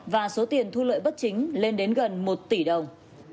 và số tiền thu lợi bất chính lên đến gần một tỷ đồng